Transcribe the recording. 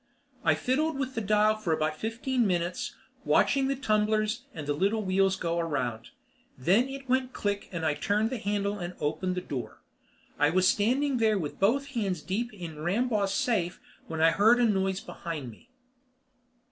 I fiddled with the dial for about fifteen minutes, watching the tumblers and the little wheels go around. Then it went click and I turned the handle and opened the door. I was standing there with both hands deep in Rambaugh's safe when I heard a noise behind me.